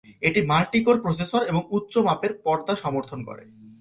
এটি multi core processor এবং উচ্চ মাপের পর্দা সমর্থন করে।